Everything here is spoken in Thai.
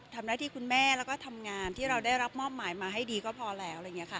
ทำหน้าที่คุณแม่แล้วก็ทำงานที่เราได้รับมอบหมายมาให้ดีก็พอแล้วอะไรอย่างนี้ค่ะ